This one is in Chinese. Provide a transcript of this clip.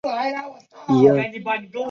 领章军衔佩戴于作训服。